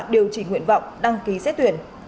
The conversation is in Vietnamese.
điều chỉnh nguyện vọng đăng ký xét tuyển